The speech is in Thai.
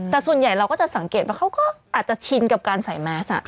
แต่ส่วนใหญ่เราก็จะสังเกตว่าเขาก็อาจจะชินกับการใส่แมส